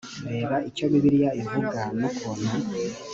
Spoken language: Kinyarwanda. reba icyo bibiliya ivuga, n'ukuntu